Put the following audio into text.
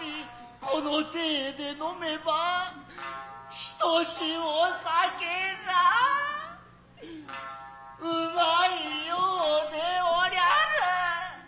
此の体で呑めば一しほ酒がうまいようでおりやる。